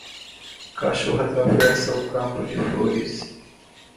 Cachorro atravessa o campo de flores